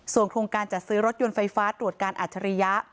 โครงการจัดซื้อรถยนต์ไฟฟ้าตรวจการอัจฉริยะ